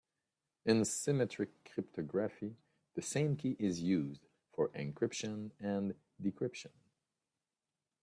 In symmetric cryptography the same key is used for encryption and decryption.